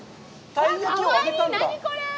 たい焼きを揚げたんだ！？